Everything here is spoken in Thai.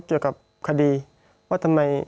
พี่เรื่องมันยังไงอะไรยังไง